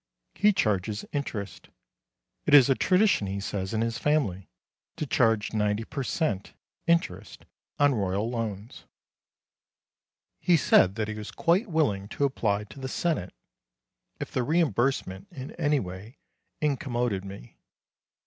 He charges interest. It is a tradition, he says, in his family, to charge 90 per cent, interest on Royal loans. He said that he was quite willing to apply to the Senate, if the reimbursement in any way incommoded me.